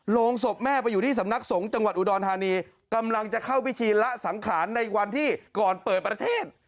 โรงศพแม่ไปอยู่ที่สำนักสงฆ์จังหวัดอุดรธานีกำลังจะเข้าพิธีละสังขารในวันที่ก่อนเปิดประเทศ